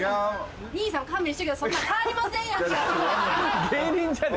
兄さん勘弁してくださいそんな変わりませんやんか。